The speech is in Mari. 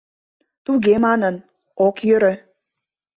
Туге манын, ок йӧрӧ.